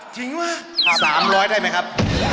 ๓๐๐ได้ไหมครับ